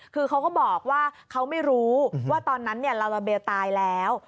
คือเขาก็บอกว่าเขาไม่รู้ว่าตอนนั้นลาลาเบลตายแล้ว